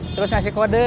terus ngasih kode